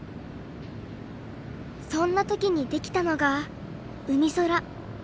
そんな時にできたのがうみそら。